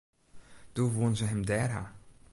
Doe woenen se him dêr ha.